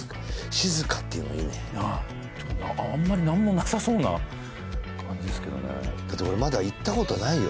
静かっていうのいいねはいあんまり何もなさそうな感じですけどねだって俺まだ行ったことないよ